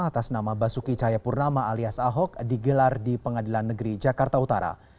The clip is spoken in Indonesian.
atas nama basuki cahayapurnama alias ahok digelar di pengadilan negeri jakarta utara